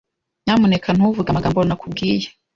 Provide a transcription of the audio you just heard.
Nyamuneka, ntuvuge amagambo nakubwiye